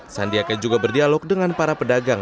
sandiaka juga berdialog dengan para pedagang